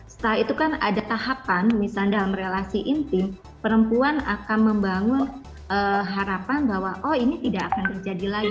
setelah itu kan ada tahapan misalnya dalam relasi intim perempuan akan membangun harapan bahwa oh ini tidak akan terjadi lagi